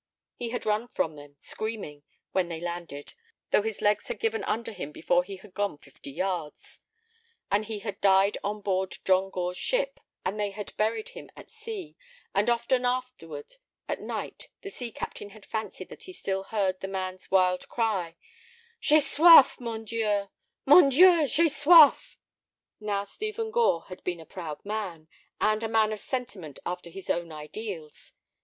He had run from them, screaming, when they landed, though his legs had given under him before he had gone fifty yards. And he had died on board John Gore's ship, and they had buried him at sea, and often afterward at night the sea captain had fancied that he still heard the man's wild cry: "J'ai soif, mon Dieu! mon Dieu, j'ai soif!" Now Stephen Gore had been a proud man, and a man of sentiment after his own ideals.